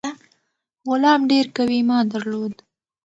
غلام ډیر قوي ایمان درلود.